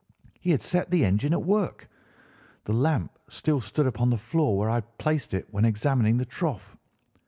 He had set the engine at work. The lamp still stood upon the floor where I had placed it when examining the trough.